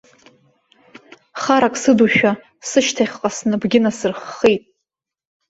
Харак сыдушәа сышьҭахьҟа снапгьы насырххеит.